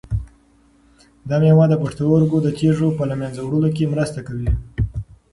دا مېوه د پښتورګو د تیږو په له منځه وړلو کې مرسته کوي.